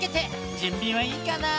じゅんびはいいかな？